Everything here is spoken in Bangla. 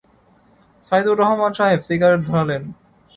সাইদুর রহমান সাহেব সিগারেট ধরালেন।